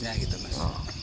ya gitu mas